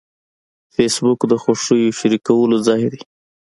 فېسبوک د خوښیو شریکولو ځای دی